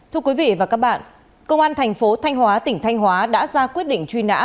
thưa quý vị và các bạn công an thành phố thanh hóa tỉnh thanh hóa đã ra quyết định truy nã